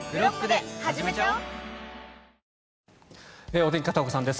お天気、片岡さんです。